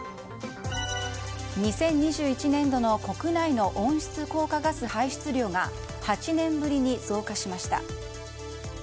２０２１年度の国内の温室効果ガス排出量が８年ぶりに増加しました。